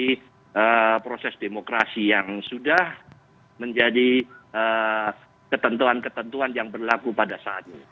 jadi proses demokrasi yang sudah menjadi ketentuan ketentuan yang berlaku pada saat ini